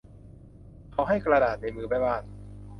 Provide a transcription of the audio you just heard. เขาให้กระดาษในมือแม่บ้าน